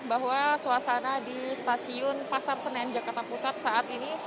bahwa suasana di stasiun pasar senen jakarta pusat saat ini